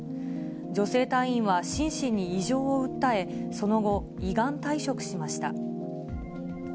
女性隊員は心身に異常を訴え、その後、依願退職しました。